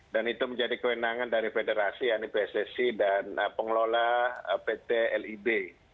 dan itu menjadi kewenangan dari federasi anibisisi dan pengelola pt lib